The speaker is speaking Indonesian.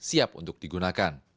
siap untuk digunakan